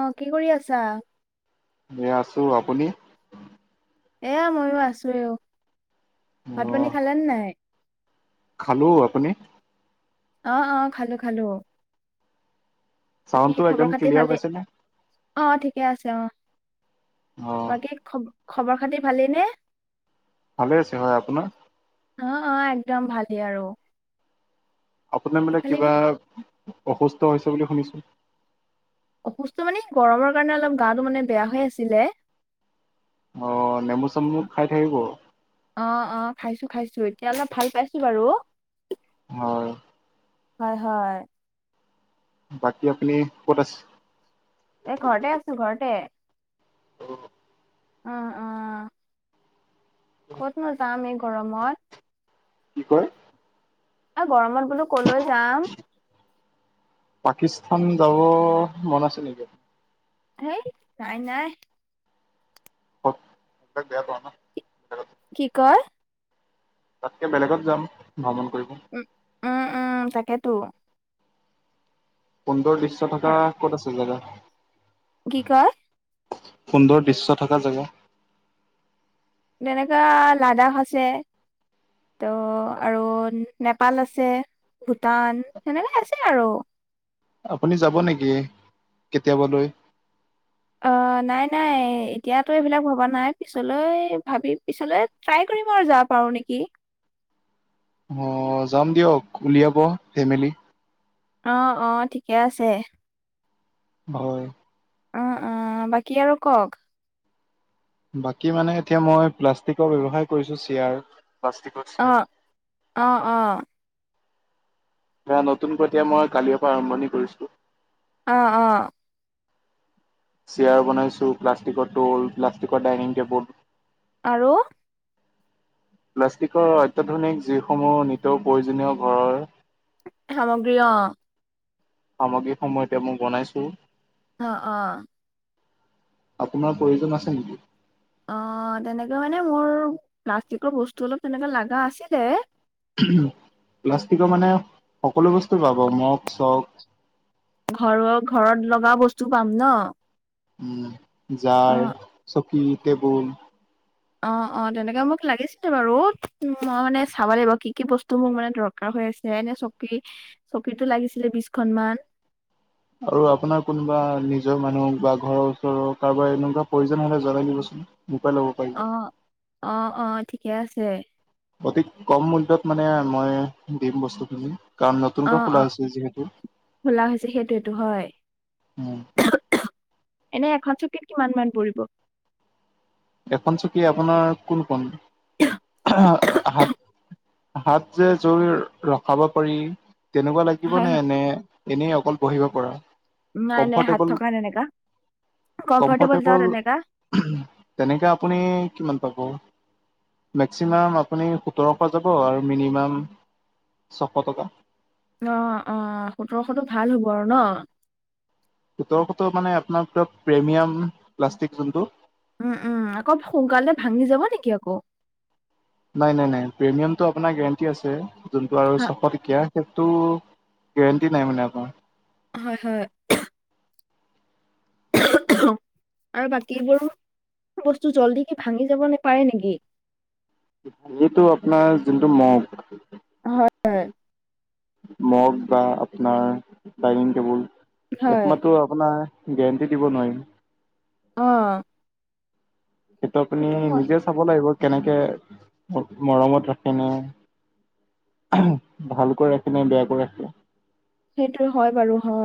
অ কি কৰি আছা? এ আছো আপুনি। এয়া মইো আছোেও ভাত পানী অ' খালে নে নাই। খালো আপুনি। অ অ খালো খালো। বাকী চাউণ্ডটো খবৰ একদম খাতি ক্লিয়াৰ ভালেই পাইছেনে অ ঠিকে আছে অ অ' বাকী। খ খবৰ খাতি ভালেই নে? ভালে আছে হয়। আপোনাৰ অ অ একদম ভালেই আৰু আপোনাৰ মানে খালি কিবা অসুস্থ হৈছে বুলি শুনিছোঁ। অসুস্থ মানে গৰমৰ কাৰণে অলপ গাটো মানে বেয়া হৈ আছিলে। অ নেমু- চেমু খাই থাকিব। অ অ খাইছো খাইছো এতিয়া অলপ ভাল পাইছো। বাৰু হয়। হয় হয়। বাকী আপুনি ক'ত আছে? এ ঘৰতে আছো ঘৰতে। অ অ অ। ক'তনো যাম এই গৰমত কি কয় আ গৰমত বোলো কলৈ যাম পাকিস্তান যাব মন আছে নেকি হেই নাই নাই হক তাকে আক ন কি কয় তাতকে বেলেগত যাম ভ্ৰমণ কৰিব উ উম উম তাকেতো। সৌন্দৰ দৃশ্য থকা আৰ- ক'ত আছে জেগা কি কয়? সুন্দৰ দৃশ্য থাকা জেগা। তেনেকা লাডাখ আছে ত আৰু নেপাল আছে ভূটান সেনেকে আছে আৰু। আপুনি যাব নেকি কেতিয়াবালৈ অ নাই নাই এতিয়াতো এইবিলাক ভবা নাই পিছলৈ ভাবি পিছলৈ ট্ৰাই কৰিম আৰু যা পাৰো নেকি অ যাম দিয়ক উলিয়াব ফেমেলি অ অ ঠিকে আছে অ অ অ বাকী আৰু কওক। বাকী মানে এতিয়া মই প্লাষ্টিকৰ ব্যৱসায় কৰিছো চেয়াৰ প্লাষ্টিকৰ অ চেয়াৰ অ অ এয়া নতুনকৈ এতিয়া মই কালিঅ পা আৰম্ভণি কৰিছো অ অ চেয়াৰ বনাইছো প্লাষ্টিকৰ টল প্লাষ্টিকৰ ডাইনিং টেবুল আৰু। প্লাষ্টিকৰ অত্যধুনিক যিসমূহ নিতৌ প্ৰয়োজনীয় ঘৰৰ সামগ্ৰী অ সামগ্ৰী সময় এতিয়া মই বনাইছো অ অ আপোনাৰ প্ৰয়োজন আছে নেকি অ তেনেকে মানে মোৰ প্লাষ্টিকৰ বস্তু অলপ তেনেকে লাগা আছিলে প্লাষ্টিকৰ মানে সকলো বস্তু পাবা মগ চগ ঘৰ ঘৰত লগা বস্তু পাম ন উম অ জাৰ চকী টেবুল অ অ তেনেকে মোক লাগিছিলে বাৰু মই মানে চাব লাগিব কি কি বস্তু মোক মানে দৰ কাৰ হৈ আছে এনে চকী চকীতো লাগিছিলে বিচখন মান আৰু আপোনাৰ কোনোবা নিজৰ মানুহক বা ঘৰৰ ওচৰৰ কাৰোবাৰ এনেকুৱা প্ৰয়োজন হলে জনাই দিবচোন মোৰ পৰা ল'ব অ পাৰিব অ অ ঠিকে আছে। অতি কম মূল্যত মানে মই দিম বস্তুখিনি কাৰণ অ নতুনকৈ খোলা অ হৈছে যিহেতু। খোলা হৈছে সেইটোয়েতো হয় উম, এনে এখন চকীত কিমান মান পৰিব এখন চকী আপোনাৰ কোনখন? [unintelligible] হাত হাত যে জুৰ ৰখাব পাৰি তেনেকুৱা লাগিব হয় নে? হয় এনে এনেই অকল বহিব পৰা? নাই নাই হাত কমফৰ্টেবল থকা টেমেকা, কমফৰ্টেবল যাও তেনেকা। তেনেকে আপুনি কিমান পাব? মেক্সিমাম আপুনি সোতৰশ যাব আৰু মিনিমাম ছশ টকা। অ অ সোতৰশ টো ভাল হ'ব আৰু ন? সোতৰশ টো মানে আপোনাৰ প্ৰেমিয়াম প্লাষ্টিক যোনটো। উম উম আকৌ সোনকালে ভাঙি যাব নেকি আকৌ? নাই নাই নাই প্ৰিমিয়ামটো আপোনাৰ গেৰেণ্টি আছে, যোনটো আৰু ছশ টকীয়া সেইটো গেৰেণ্টি নাই মানে আপোনাৰ। হয় হয়। আৰু বাকীবোৰ বস্তু জল্দি কি ভাঙি যাব নেপাৰে নেকি? এইটো আপোনাৰ যোনটো মগ হয় হয়। মগ বা আপোনাৰ ডাইনিং টেবুল হয়, একমাত্ৰ আপোনাৰ গেৰেণ্টি দিব নোৱাৰিম। অঁ। সেইটো আপুনি হয়, নিজে চাব লাগিব কেনেকে মৰমত ৰাখেনে ভালকৈ ৰাখে নে বেয়াকৈ ৰাখে। সেইটোয়ে হয় বাৰু হা,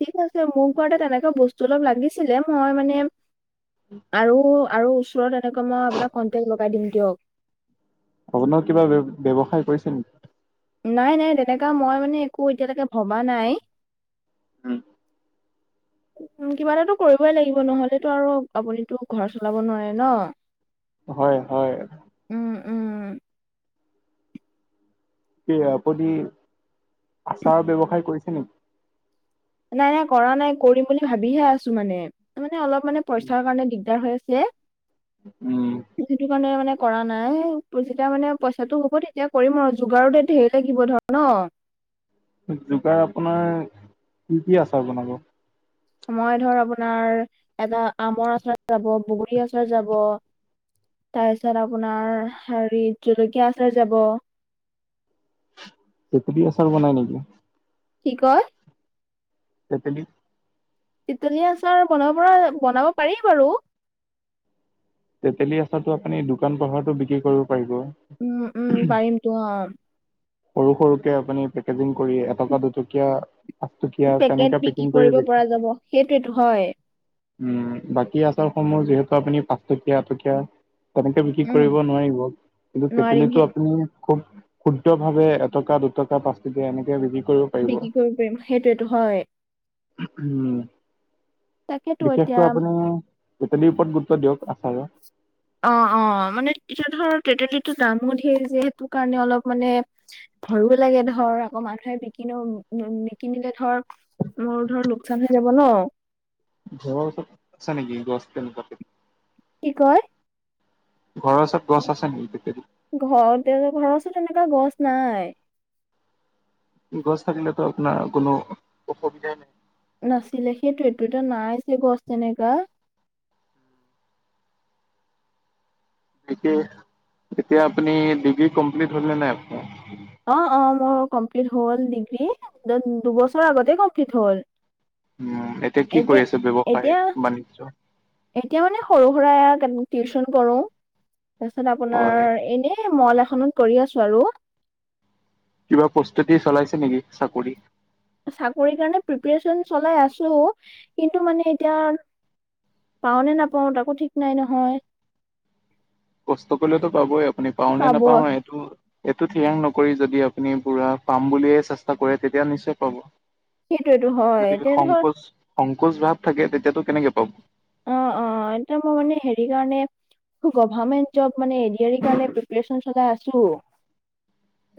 ঠিক আছে মোক কোৱাতে তেনেকুৱা বস্তু অলপ লাগিছিলে মই মানে আৰু আৰু ওচৰত এনেকৈ মই আপোনাক কণ্টেক্ট লগাই দিম দিয়ক। আপোনাৰ কিবা বে ব্যৱসায় কৰিছে নেকি? নাই নাই তেনেকা মই মানে একো এতিয়ালেকে ভবা নাই। উম। [inaudible] উম কিবা এটাতো কৰিবই লাগিব, নহলেতো আৰু আপুনিতো ঘৰ চলাব নোৱাৰে ন। হয় হয়। উম উম। কি আপুনি আচাৰৰ ব্যৱসায় কৰিছে নেকি? নাই নাই কৰা নাই, কৰিম বুলি ভাবিহে আছো মানে, ত মানে অলপ মানে পইচাৰ কাৰণে দিগদাৰ দাৰ হৈ আছে, উম, সেইটো কাৰণে মানে কৰা নাই যেতিয়া মানে পইচাটো হ'ব তেতিয়া কৰিম আৰু যোগাটোতে ঢেৰ লাগিব ধৰ ন? যোগাৰ আপোনাৰ কি কি আছে বনাব? মই ধৰ আপোনাৰ এটা আমৰ আচাৰ যাব, বগৰী আচাৰ যাব তাৰপিছত আপোনাৰ হেৰি জলকীয়া আচাৰ যাব। তেতেলী আচাৰ বনাই নেকি? কি কয়? তেতেলি। তেতেলি আচাৰ বনাব পৰা বনাব পাৰি বাৰু। তেতেলী আচাৰটো আপুনি দোকান পোহাৰটো বিক্ৰী কৰিব পাৰিব! উম, উম, পাৰিম তো অঁ। সৰু সৰুকে আপুনি পেকেজিং কৰি এটকা দুটকীয়া, পাঁচ টকীয়া পেকেট তেনেকে বিক্ৰী পেকিং কৰি কৰিব পৰা যাব সেইটোৱেতো হয় উম বাকী আচাৰসমূহ যিহেতু আপুনি পাঁচটকীয়া এটকীয়া তেনেকে বিক্ৰী উম কৰিব নোৱাৰিব কিন্তু নোৱাৰিম কেটলীটো সেই আপুনি খুব শুদ্ধ্ৰ ভাৱে এটকা দুটকা পাঁচ টকীয়া এনেকে বিক্ৰী কৰিো পাৰিব! বিক্ৰী কৰিব পাৰিম সেইটোৱেতো হয় উম তাকেতো এতিয়া বিশেষকৈ আপুনি গতেদিৰ ওপৰত গুৰুত্ব দিয়ক আচাৰৰ [unintelligible] অ অ মানে এতিয়া ধৰ তেটলীটোৰ দামো ঢেৰ যিহেতু সেইটো কাৰণে অলপ মানে ভয়ো লাগে ধৰ আকৌ মানুহে নিকিনেও নিকিনিলে ধৰ মোৰ ধৰ লোকচান হৈ যাব ন ঘৰৰ ওচৰত আছা নেকি গছ তেনেকুৱাত কি কয়? ঘৰৰ ওচৰত গছ আছে! ঘৰতে তেনেকুৱা গছ নাই। গছ থাকিলেতো আপোনাৰ কোনো অসুবিধাই নাই। নাছিলে সেইটো সটো এটা নাইছে গছ তেনেককা এতিয়া আপুনি ডিগ্ৰী কমপ্লিট হলে নাই আপাৰ অ অ মোৰ কমপ্লিট হ'ল ডিগ্ৰী দুবছৰৰ আগতে কমপ্লিট হ'ল উম এতিয়া কি কৰি আছে ব্য্ৱসায় এতিয়া বাণিজ্্য এতিয়া মানে সৰু সুৰা [unintelligible] টিউচন কৰো তাৰপিছত হয়, আপোনাৰ এনে মল এখনত কৰি আছো আৰু কিবা প্ৰস্তুতি চলাইছে নেকি চাকৰি চাকৰি কাৰণে প্ৰিপৰেচন চলাই আছো কিন্তু মানে এতিয়া পাও নে নাপাও তাকো ঠিক নাই নহয়। কষ্ট কৰিলেতো পাবই আপুনি পাও নে পাব। নাপাও সেইটো। এইটো ঠিৰাং নকৰি যদি আপুনি পুৰা পাম বুলিয়ে চেষ্টা কৰে তেতিয়া নিশ্চয় পাব সেইটোয়েতো হয় গতিকে এতিয়া ধৰ সংকোচ সংকোচ ভাৱ থাকে তেতিয়াতো কেনেকে পাব অ অ এতিয়া মই মানে হেৰি কাৰণে গভাৰমেন্ট জব মানে এ কাৰণে প্ৰিপৰেচন চলাই আছো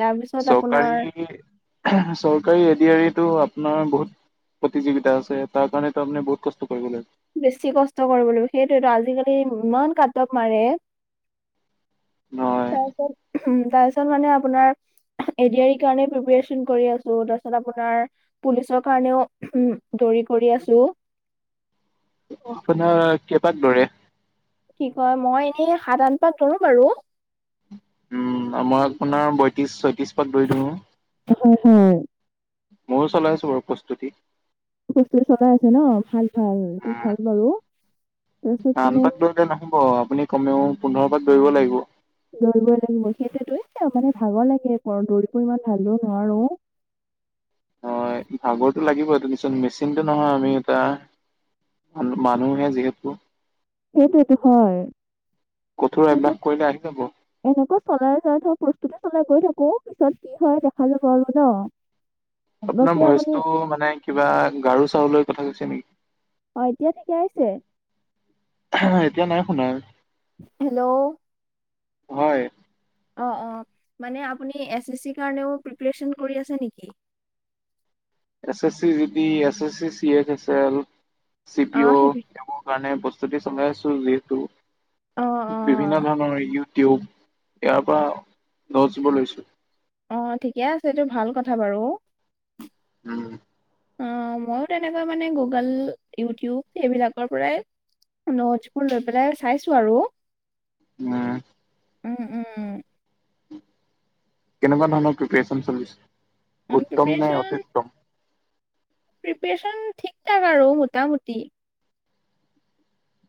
তাৰপিছত চৰকাৰী আপোনাৰ চৰকাৰী এডি আৰ ই টো আপোনাৰ বহুত প্ৰতিযোগিতা আছে তাৰ কাৰণেতো আপুনি বহুত কষ্ট কৰিব লাগ বেছি কষ্ট কৰিব লাগিব সেইটোয়েতো আজিকালি ইমান কাটব মাৰে নহয় তাৰপিছত উম তাৰপিছত মানে আপোনাৰ এডি আৰ ই কাৰণে প্ৰিপাৰেচন কৰি আছো তাৰপিছত আপোনাৰ পুলিচৰ কাৰণেও উম দৌৰি কৰি আছো। আপোনাৰ কেবাক লৰে [unintelligible] কি কয় মই এনেই সাত আঠ পাক দৌৰিম বাৰু উম মই আপোনাৰ বয়ত্ৰিশ ছয়ত্ৰিশ পাত পঢ়ি দিওঁ হয় হয় মইো চলাই আছো বৰ প্ৰস্তুতি বস্তু চলাই আছে ন ভাল ভাল এইটো উম, ভাল বাৰু তাৰপিছত আন মানে পাক দৌৰিলে নহব আপুনি কমেও পোন্ধৰ পাক দৌৰিব লাগিব। দৌৰিবই লাগিব সেইটোতে মানে ভাগৰ লাগে একো দৌৰিব ইমান ভালো নোৱাৰো [unintelligible] [inaudible] হয় ভাগৰটো লাগিবই মেচিনটো নহয় আমি এটা, মানুহে যিহেতু সেইটোৱেটো হয় কঠোৰ তাৰপিছত অভ্যাস কৰিলে আহি যাব এনেকৈ চলাই যাই থাকো প্ৰস্তুতি চলাই গৈ থাকো পিছত কি হয় দেখা যাব আৰু ন আপোনাৰ বাকী আপুনি ভইচটো মানে কিবা গাৰু চাৰু লৈ কথা কৈছে নেকি অ এতিয়া ঠিকে আহিছে আহ এতিয়া নাই শুনা হেল্ল হয় অ অ মানে আপুনি এচ এচ চিৰ কাৰণেও প্ৰিপেচন কৰি আছে নেকি S S C G D S S C C H S L C P অ কাৰণে প্ৰস্তুতি চলাই আছো যিহেতু অ', বিভিন্ন অ', ধৰণৰ টিউব ইয়াৰ পৰা দহ জোপা লৈছো অ ঠিকে আছে এইটো ভাল কথা বাৰু উম অ মইও তেনেকৈ মানে গুগল ইউটিউব এইবিলাকৰ পৰাই নোটছ বোৰ লৈ পেলাই চাইছো আৰু উম উম উম কেনেকুৱা ধৰণৰ প্ৰিপেৰেচন চলিছে অ উত্তম নে প্ৰিপেচন অতিউত্তম? প্ৰিপেচন ঠিক থাক আৰু মোটামুটি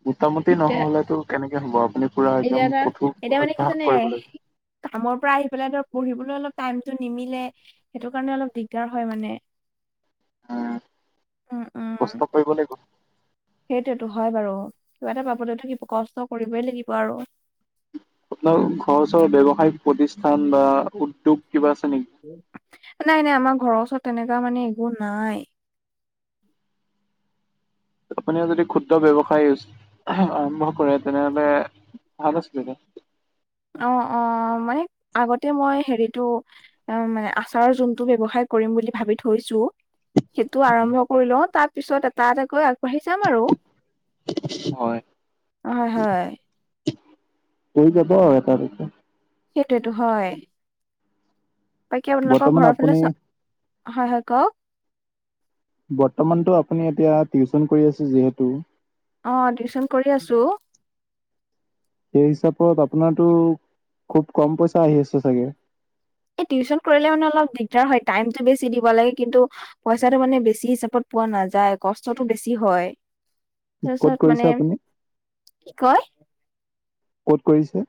মোটামোটি এতিয়া নহলেতো কেনেকে হ'ব আপুনি পুৰা এতিয়া একদম এটা এতিয়া কঠোৰ মানে কি অভ্যাস জানে কৰিব লাগিব কামৰ পৰা আহি পেলাই ধৰ পঢ়িবলৈ অলপ টাইমটো নিমিলে সেইটো কাৰণে অলপ দিগদাৰ হয় মানে উম উম, উম, কষ্ট কৰিব লাগিব সেইটোৱেতো হয় বাৰু কিবা এটা পাবলৈটো কষ্ট কৰিবই লাগিব আৰু আপোনাৰ ঘৰ ওচৰ ব্যৱসায়িক প্ৰতিষ্ঠান বা উদ্যোগ কিবা আছে নেকি। নাই নাই আমাৰ ঘৰৰ ওচৰত তেনেকা মানে একো নাই আপুনি যদি ক্ষুদ্ৰ ব্যৱসায় আহ আৰম্ভ কৰে তেনেহলে ভাল আছিলে অ অ মানে আগতে মই হেৰিটো অ' মানে আচাৰৰ যোনটো ব্যৱসায় কৰিম বুলি ভাবি থৈছো। সেইটো আৰম্ভ কৰি লও তাৰ পিছত এটা এটাকৈ আগবাঢ়ি যাম আৰু। হয় হয়, হয়। হৈ যাব আৰু এটা দুটা সেইটোৱেতো হয় বাকী আপোনালোকৰ বৰ্তমান ঘৰৰ ফালে আপুনি চা হয় হয় কওক বৰ্তমানটো আপুনি এতিয়া টিউচন কৰি আছে যিহেতু অ টিউচন কৰি আছো সেই হিচাপত আপোনাৰটো খুব কম পইচা আহি আছে চাগে। এই টিউচন কৰিলে মানে অলপ দিগদাৰ হয় টাইমটো বেছি দিব লাগে কিন্তু পইচাটো মানে বেছি হিচাপত পোৱা নাযায় কষ্টটো বেছি হয় ক'ত তাৰপিছত কৰিছে মানে আপুনি কি কয় ক'ত কৰিছে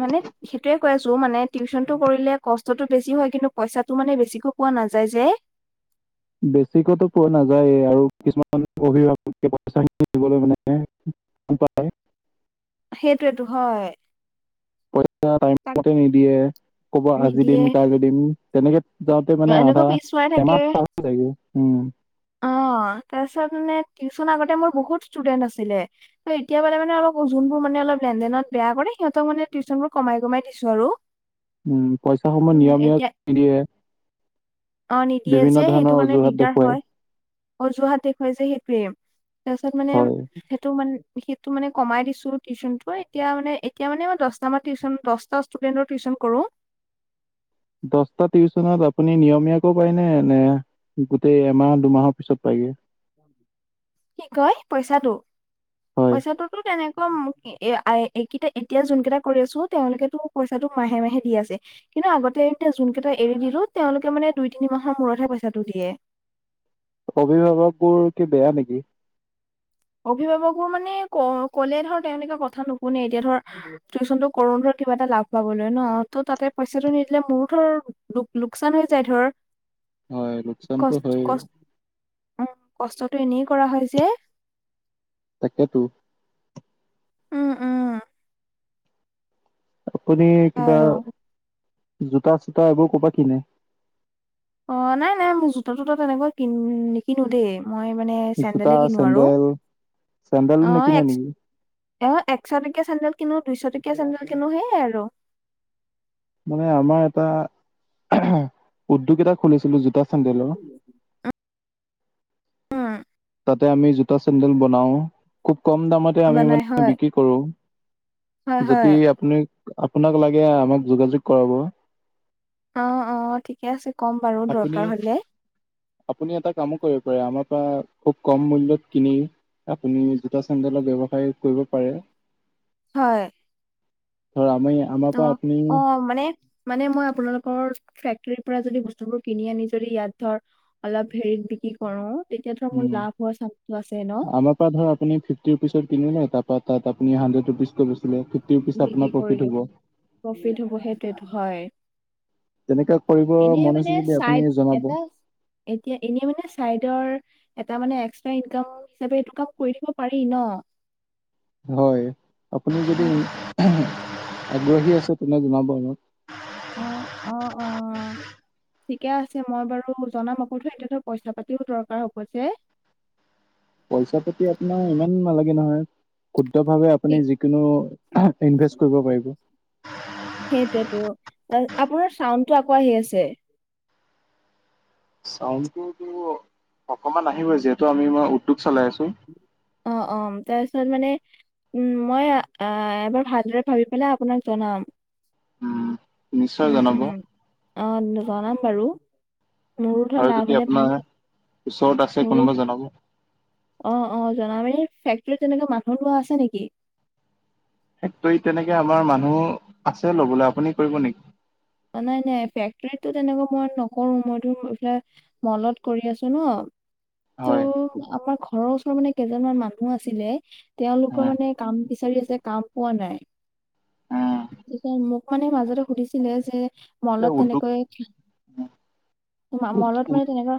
মানেত সেইটোয়ে কৈ আছো মানে টিউচনটো কৰিলে কষ্টটো বেছি হয় কিন্তু পইচাটো মানে বেছিকৈ পোৱা নাযায় যে বেছিকেতো পোৱা নাযায় আৰু কিছুমান অভিভাৱকে পইচা খিনি দিবলৈ মানে টান পায় সেইটোয়েটো হয়। টাইম তাক মতে নিদিয়ে। ক'ব আজি নিদিয়ে দিম কাইলৈ দিম, তেনেকে যাওঁতে মানে এনেকুৱা আধা পিছুৱাই এমাহ চেগো উম। অঁ, তাৰপিছত মানে টিউচন আগতে মোৰ বহুত ষ্টুডেন্ট আছিলে। এতিয়া মানে অলপ যোনবোৰ মানে অলপ লেনদেনত বেয়া কৰে, সিহঁতক মানে টিউচন বোৰ কমাই কমাই দিছো আৰু। পইচাসমূহ অ নিয়মীয় নিদিয়ে। অঁ নিদিয়ে যে বিভিন্ন সেইটো ধৰণৰ কাৰণে অজুহাত দিগদাৰ দেখুৱায় হয়, অজুহাত দেখুৱাই যে সেইটোৱে। তাৰপিছত মানে হয় সেইটো মানে সেইটো মানে কমাই দিছো, টিউশচনটো এতিয়া মানে এতিয়া মানে দশটা‌ মান টিউচন দশ ষ্টুেণ্টৰ টিউচন কৰো। দশটা টিউচনত আপুনি নিয়মীয়াকো কৰায় নে, নে গোটেই এমাহ দুমাহৰ পিছত পাইগে। কি কয় পইচাটো হয় পইচাটোতো তেনেকুৱা এ এইকেইটা এতিয়া যোন কেইটা কৰি আছো তেওঁলোকেতো পইচাটো মাহে মাহে দি আছে। কিন্তু আগতে এ যোন কেইটা এৰি দিলো তেওঁলোকে মানে দুই তিনি মাহৰ মূৰতহে পইচাটো দিয়ে। অভিভাৱক বোৰ কি বেয়া নেকি? অভিভাৱকো মানে ক কলে ধৰ তেওঁলোকে কথা নুশুনে। এতিয়া ধৰ টিউচনটো কৰো ধৰ কিবা এটা লাভ পাবলৈ ন, ত তাতে পইচাটো নিদিলে মোৰো ধৰ লোক লোকচান হৈ যায় ধৰ। হয় লোকচানটো কষ্ট হয় কষ্ট কষ্টতটো এনেই কৰা হয় যে তাকেতো উম উম আপুনি কিবা আৰু জোতা চোতা এইবোৰ ক'ৰপা কিনে? অঁ, নাই নাই মোৰ জোতা তোতা তেনেকুৱা কিন নিকিনো দেই। মই মানে জোতা চেডেলে কিনো চেণ্ডেল চেণ্ডেলো আঁ নিকিনে এক নেকি? একশ টকীয়া চেন্দেল কিনো দুইশ টকীয়া চেন্দেল কিনো সেয়ে আৰু। মানে আমাৰ এটা উদ্যোগ এটা খুলিছিলো জোতা চেন্দেলৰ। আঁহ উম। তাতে আমি জোতা চেন্দেল বনাও খোব কম দামত তে আমি বনাই মানে হয় বিক্ৰী কৰো। হয় যদি হয় আপুনি আপোনাক লাগে আমাক যোগাযোগ কৰাব। অঁ অঁ ঠিকে আছে ক'ম বাৰু আপুনি দৰকাৰ হলে। আপুনি এটা কামো কৰিব পাৰে, আমাৰ পৰা খুব কম মূল্যত কিনি আপুনি জোতা চেডেলৰ ব্যৱসায় কৰিব পাৰে। হয়। ত আমি আমাৰ পৰা অঁ, আপুনি অঁ মানে মানে মই আপোনালোকৰ ফেক্টৰীৰ পৰা যদি বস্তুবোৰ কিনি আনি, যদি ইয়াত ধৰ অলপ হেৰিত বিক্ৰী কৰো, তেতিয়া ধৰ মোৰ উম লাভ হোৱা চান্সটো আছে ন। আমাৰ পৰা ধৰ আপুনি ফিফটি ৰুপিছত কিনিলে, তাৰা তাত আপুনি হান্দেৰ্ড ৰুপিছ লে ফিফটি ৰুপিছ বিক্ৰী আপোনাৰ প্ৰফিট কৰিলো হ'ব। প্ৰফিট হ'ব সেইটোৱেতো হয় তেনেকুৱা কৰিব এনেই মন আছে মানে যদি চাইড আপুনি জনাব। এটা এতিয়া এনেই মানে চাইডৰ এটা মানে এক্সট্ৰা ইনকাম হিচাপে এইটো কাম কৰি থাকিব পাৰি ন। হয় আপুনি উম যদি হুেহ আগ্ৰহী আছে তেনে জনাব অহ অহ অহ অহ ঠিকে আছে মই বাৰু জনাম আকৌ সেইটো পইচা পাতিও দৰকাৰ হব যে পইচা পাতি আপোনাৰ ইমান নালাগে নহয় ক্ষুদ্ৰ ভাৱে আপুনি যিকোনো ইনভেষ্ট কৰিব পাৰিব। সেইটোয়েতো আপোনাৰ চাউণ্ডতো আকৌ আহি আছে। চাউণ্ডতো অকমান আহিব যিহেতু আমি মই উদ্যোগ চলাই আছো অহ অহ তাৰপিছত মানে উম মই এবাৰ ভালদৰে ভাবি পেলাই আপোনাক জনাম উম নিশ্চয় উম জনাব উম অহ জানাম বাৰু মোৰোতো আৰু লাভ যদি হলে ভাল মোৰ জনকো অহ অহ জনাব দেই ফেক্টৰীত তেনেকে মানুহ লোৱা আছে নেকি ফেক্টৰীত তেনেকে আমাৰ মানুহ আছে ল'বলৈ আপুনি কৰিব নেকি মানে এনেই ফেক্টৰীতো তেনেকুৱা মই নকৰোঁ মইতো এইফালে মলট কৰি আছো ন ত' হয় আমাৰ ঘৰৰ ওচৰত মানে কেইজনমান মানুহ আছিলে উম তেওঁলোকৰ মানে কাম বিচাৰি আছে কাম পোৱা নাই উম পিছে মোক মানে মাজতে সুধিছিলে যে এ মলট উদ্যোগ তেনেকৈ মলট মানে তেনেকুৱা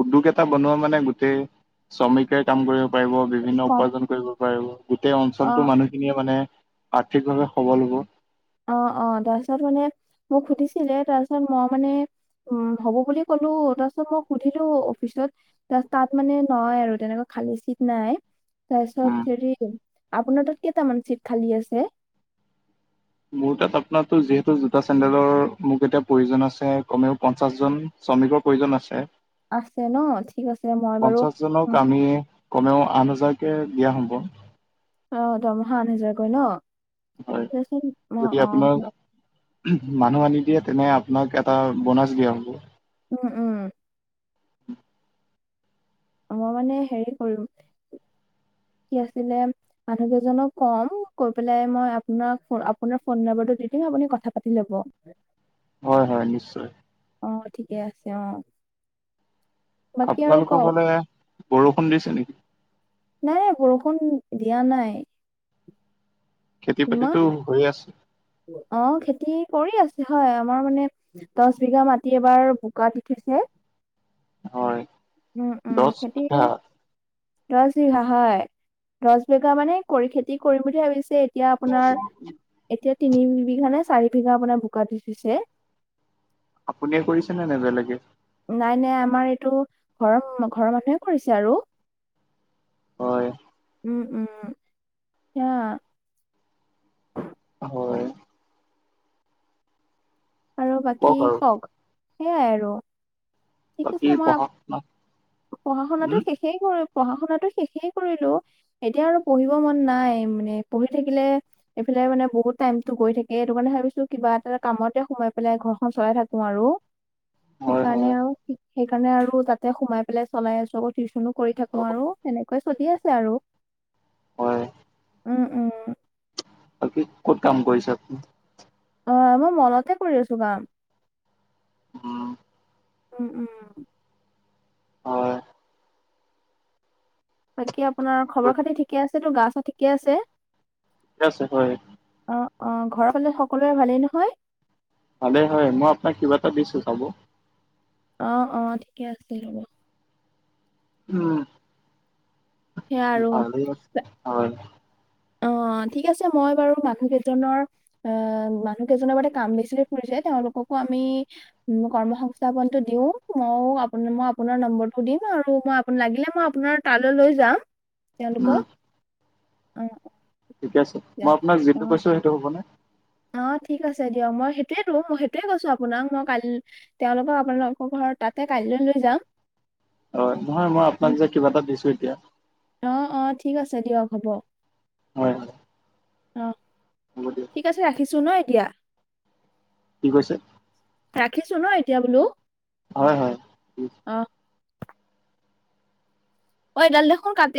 উদ্যোগ এটা বনোৱা মানে গোটেই শ্ৰমিকে কাম কৰিব পাৰিব বিভিন্ন কম উপাৰ্জন কৰিব পাৰিব গোটেই অ অঞ্চলতটো মানুহ খিনিয়ে মানে আৰ্থিকভাৱে সবল হব অহ অহ তাৰপিছত মানে মোক সুধিছিলে তাৰপিছত মই মানে উম হ'ব বুলি ক'লো তাৰপিছত মই সুধিলো অফিছত যে তাত মানে নহয় আৰু তেনেকুৱা খালী চিট নাই তাৰ উম পিছত হেৰি আপোনাৰ তাত কেইটামান চিট খালী আছে মোৰ তাত আপোনাৰো যিহেতু জোতা চেন্দেলৰ মোক এতিয়া প্ৰয়োজন আছে কমেও পঞ্চাশ জন শ্ৰমিকৰ প্ৰয়োজন আছে আছে ন ঠিক আছে মই বাৰু উম উম কমেও আঠ হাজাৰকে দিয়া হ'ব অহ দৰমহা আঠ হাজাৰকৈ ন হয় দেচোন মই যদি অ আপোনাৰ ম- উহ মানুহ আনি দিয়ে তেনে আপোনাক এটা বনাছ দিয়া হ'ব উম উম মই মানে হেৰি কৰোঁ কি আছিলে মানুহ কেইজনক কম কৈ পেলাই মই আপোনাক আপোনাৰ ফোন নম্বৰতো দি দিম আপুনি কথা পাতি ল'ব এ হয় হয় নিশ্চয় অহ ঠিকে আছে অহ আপোনালোকৰ কওক ফালে বৰষুণ দিছে নেকি নাই নাই বৰষুণ দিয়া নাই খেতি ইমান বাতিটো হৈ আছে। অ খেতি কৰি আছো অ আমাৰ মানে। দছ বিঘা মাটি এবাৰ বোকা দিছে। হয় উম উম দহ খেতি। বিঘা [inaudible] দহ বিঘা হয় দহ বিঘা মানে কৰি খেতি কৰিম বুলি ভাবিছে। এতিয়া আপোনাৰ এতিয়া তিনি বিঘা নে চাৰি বিঘা আপোনাৰ বোকাত দি উঠছে। আপুনিয়ে কৰিছেনে নে বেলেগে। নাই নাই আমাৰ এইটো ঘৰৰ ঘৰৰ মানুহে কৰিছে আৰু। হয়। উম উম হ। হ। আৰু বাকী কওক সেইয়াই আৰু। ঠিক বাকী আছে মই পঢ়া শুনা পঢ়া শুনা উম শেষেই কৰি পঢ়া শুনা টো শেষেই কৰিলো। এতিয়া আৰু পঢ়িব মন নাই মানে পঢ়ি থাকিলে। এইফালে মানে বহুত টাইমতটো গৈ থাকে এইটো কাৰণে ভাবিছো কিবা এটা কামতে। সোমাই পেলাই ঘৰখন চলাই থাকো আৰু হয় হয় সেইকাৰণে। সেইকাৰণে আৰু তাতে সোমাই পেলাই চলাই আছো আকৌ টিউচনো কৰি থাকো আৰু এনেকুৱেই চলি আছে আৰু। হয় উম উম [inaudible] বাকী ক'ত কাম কৰিছে আপুনি। অ মই মনতে কৰি আছো কাম। অঁ। উম উম। অ। বাকী আপোনাৰ খবৰ খাতি ঠিকে আছে তো গা চা ঠিকে আছে। ক আছো হয়। অ অ ঘৰৰ ফালে সকলোৰে ভালেই নহয়। ভালে হয় মই আপোনাক কিবা এটা দিছো চাব। অ অ ঠিকে আছিল ৰ'ব। উম। সেয়া আৰু ভালেই হয়। অ ঠিক আছে মই বাৰু মানুহ কেইজনৰ। অ মানুহ কেইজনৰ বাবে কাম বেছিকৈ ফুৰি যায় তেওঁলোককো আমি। কৰ্ম সংস্থাপনটো দিও মই ম আপোনাৰ নম্বৰটো দিম আৰু মই। [inaudible] লাগিলে মই আপোনাৰ তালৈ লৈ যাম উম তেওঁলোকক। অ অ। ঠিকে আছে দিয়া মই আপোনাক যিটো কৈছো সেইটো হ'বনে অ ঠিক আছে দিয়ক মই সেইটোয়েটো মই সেইটোৱে কৈছো আপোনাক মই কাই। তেওঁলোকক আপোনালোকৰ ঘৰত তাতে কাইিললৈ লৈ যাম। অ ম মই আপোনাক যে কিবা এটা দিছো এতিয়া। অ অ ঠিক আছে দিয়ক হ'ব হয়। অঁ হব দিয়া। ঠিক আছে ৰাখিছো ন এতিয়া। কি কৈছে। ৰাখিছো ন এতিয়া বোলো। হয় হয়। অহ এই এডাল দেখোন কাটি